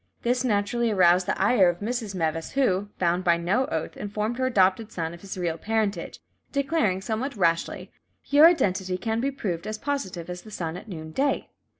This naturally aroused the ire of Mrs. Meves, who, bound by no oath, informed her adopted son of his real parentage, declaring somewhat rashly, "Your identity can be proved as positive as the sun at noon day."